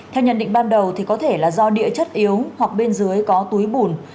theo nhận định ban đầu có thể là do địa chất yếu hoặc bên dưới có túi bùn